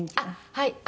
はい。